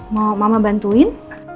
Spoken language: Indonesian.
mau mama bantuin